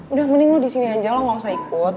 udah mending lo disini aja lo gak usah ikut